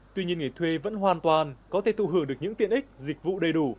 tuy nhiên người thuê vẫn hoàn toàn có thể thu hưởng được những tiện ích dịch vụ đầy đủ